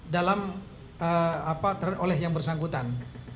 dalam apa terlihat oleh yang bersangkutan